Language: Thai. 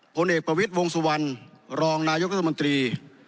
ผลเอกประวิทธิ์วงสวรรค์รองนายกธรรมนตรี